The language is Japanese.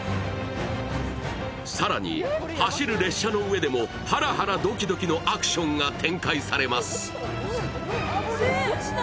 更に走る列車の上でもハラハラドキドキのアクションが展開されます。